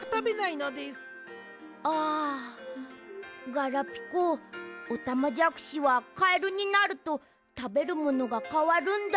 ガラピコオタマジャクシはカエルになるとたべるものがかわるんだ。